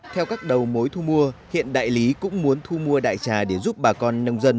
theo các đầu mối thu mua hiện đại lý cũng muốn thu mua đại trà để giúp bà con nông dân